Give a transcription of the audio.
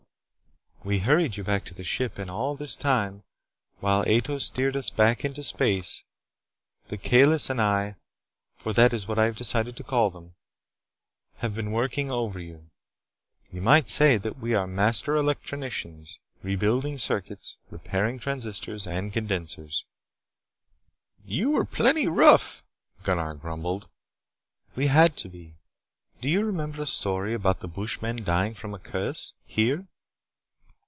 "We hurried you back to the ship. And all this time, while Ato steered us back into space, the Kalis and I for that is what I have decided to call them have been working over you. You might say that we are master electronicians, rebuilding circuits, repairing transistors and condensers " "You were plenty rough," Gunnar grumbled. "We had to be. Do you remember a story about the bush men dying from a curse? Here."